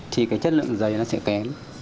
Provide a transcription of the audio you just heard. thì cái chất lượng giấy nó sẽ kém